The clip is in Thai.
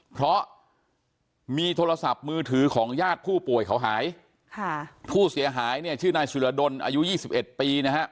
เพราะมีโทรศัพท์มือถือของญาติผู้ป่วยเขาหายผู้เสียหายชื่อนายสิรดลอายุ๒๑ปีนะฮะ